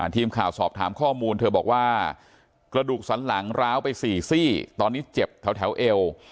ทีมข่าวสอบถามข้อมูลเธอบอกว่ากระดูกสันหลังร้าวไป๔ซี่ตอนนี้เจ็บแถวเอว